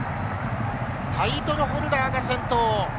タイトルホルダーが先頭。